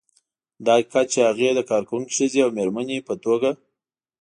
دا حقیقت چې هغې د کارکونکې ښځې او مېرمنې په توګه